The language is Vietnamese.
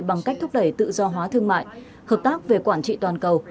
bằng cách thúc đẩy tự do hóa thương mại hợp tác về quản trị toàn cầu